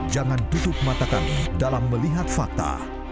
jangan tutup mata kami dalam melihat fakta